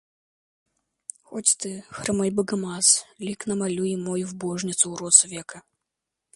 Хоть ты, хромой богомаз, лик намалюй мой в божницу уродца века!